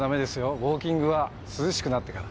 ウオーキングは涼しくなってから。